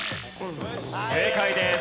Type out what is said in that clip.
正解です。